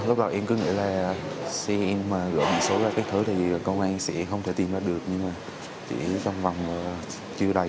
lúc đầu em cứ nghĩ là xe em gọi một số các thứ thì công an sẽ không thể tìm ra được nhưng mà chỉ trong vòng chiều đầy